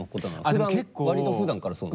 割とふだんからそうなの？